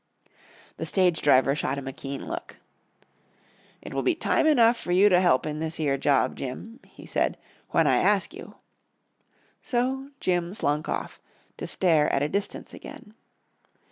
The stage driver shot him a keen look. "It will be time enough for you to help in this ere job, Jim," he said, "when I ask you." So Jim slunk off, to stare at a distance again.